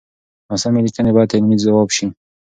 ناسمې ليکنې بايد علمي ځواب شي.